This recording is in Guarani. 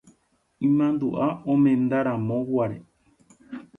Imandu'a omendaramoguare.